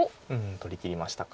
取りきりましたか。